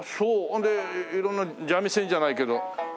ほんで色んな蛇味線じゃないけど。